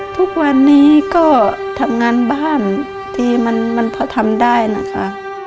ทุกวันนี้ก็ทำงานบ้านทีมันพอทำได้นะคะ